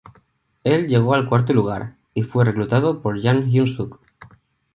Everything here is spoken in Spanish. Él llegó al cuarto lugar y fue reclutado por Yang Hyun Suk.